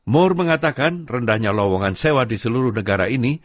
moe mengatakan rendahnya lowongan sewa di seluruh negara ini